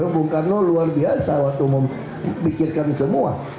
bung karno luar biasa waktu memikirkan semua